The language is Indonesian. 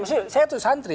maksudnya saya itu santri